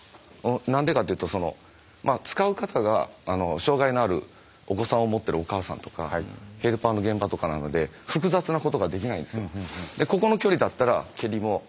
何でかというと使う方が障害のあるお子さんをもってるお母さんとかヘルパーの現場とかなので複雑なことができないんですよ。